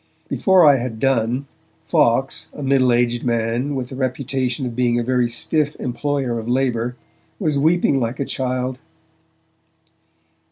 Before I had done, Fawkes, a middle aged man with the reputation of being a very stiff employer of labour, was weeping like a child.